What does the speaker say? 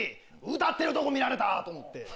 歌ってるとこ見られたと思って。